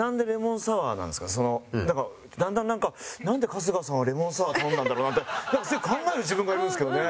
だんだんなんかなんで春日さんはレモンサワー頼んだんだろうなって考える自分がいるんですけどね。